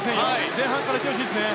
前半からいってほしいです。